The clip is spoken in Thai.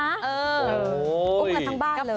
อุ้มกันทั้งบ้านเลย